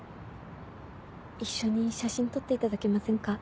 一緒に写真撮っていただけませんか？